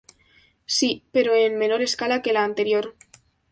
Si, pero en menor escala que la anterior.